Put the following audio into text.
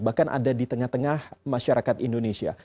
bahkan ada di tengah tengah masyarakat indonesia